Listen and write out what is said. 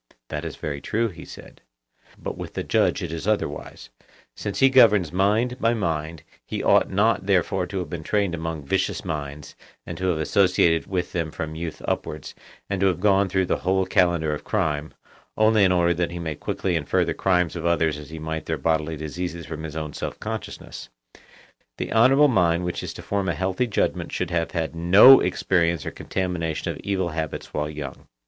That is very true, he said. But with the judge it is otherwise; since he governs mind by mind; he ought not therefore to have been trained among vicious minds, and to have associated with them from youth upwards, and to have gone through the whole calendar of crime, only in order that he may quickly infer the crimes of others as he might their bodily diseases from his own self consciousness; the honourable mind which is to form a healthy judgment should have had no experience or contamination of evil habits when young.